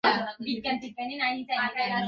Luggage কিংবা শরীরে থাকা চাই শীতের নতুন পোশাক।